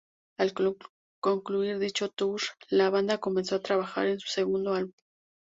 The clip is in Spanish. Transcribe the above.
Al concluir dicho tour, la banda comenzó a trabajar en su segundo álbum.